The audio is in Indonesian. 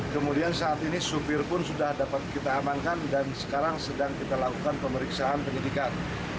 kemudian saat ini supir pun sudah dapat kita amankan dan sekarang sedang kita lakukan pemeriksaan penyidikan